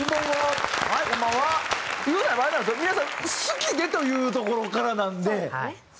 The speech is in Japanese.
皆さん好きでというところからなんで。